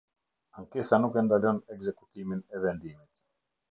Ankesa nuk e ndalon ekzekutimin e vendimit.